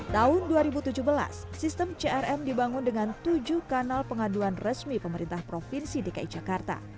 tahun dua ribu tujuh belas sistem crm dibangun dengan tujuh kanal pengaduan resmi pemerintah provinsi dki jakarta